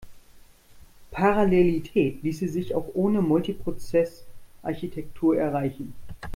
Parallelität ließe sich auch ohne Multiprozess-Architektur erreichen.